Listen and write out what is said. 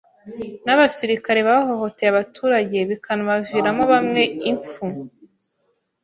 n’abasirikire bahohoteye abaturage bikanaviramo bamwe impfu.